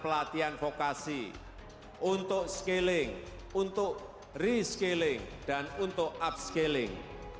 pelatihan vokasi untuk scaling untuk rescaling dan untuk upscaling